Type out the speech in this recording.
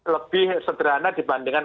lebih sederhana dibandingkan